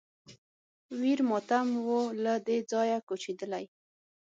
ویر ماتم و له دې ځایه کوچېدلی